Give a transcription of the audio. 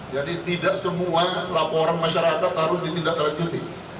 jadi tidak semua laporan masyarakat harus ditindaklanjuti